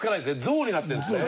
「ぞう」になってるんですね。